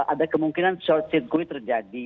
ada kemungkinan short sirkuit terjadi